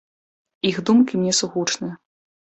Іх думкі мне сугучныя.